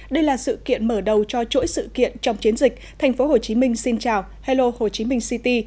đây là sự kiện mở đầu cho chuỗi sự kiện trong chiến dịch tp hcm xin chào hello hồ chí minh city